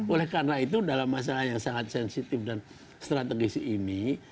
oleh karena itu dalam masalah yang sangat sensitif dan strategis ini